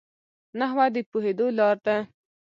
نحوه د پوهېدو لار ده.